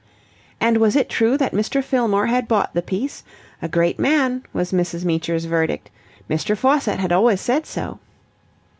And was it true that Mr. Fillmore had bought the piece? A great man, was Mrs. Meecher's verdict. Mr. Faucitt had always said so...